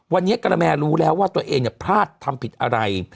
วันนี้การแมร์รู้แล้วว่าตัวเองพลาดทำผิดอะไร